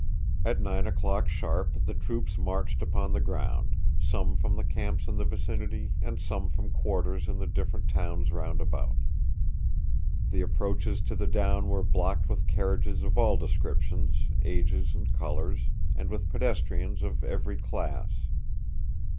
At nine o'clock the troops marched upon the ground some from the camps in the vicinity, and some from quarters in the different towns round about. The approaches to the down were blocked with carriages of all descriptions, ages, and colours, and with pedestrians of every class.